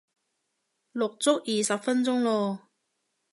錄足二十分鐘咯